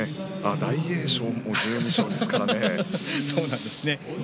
大栄翔が優勝ですからね。